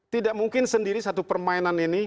tidak mungkin sendiri satu permainan ini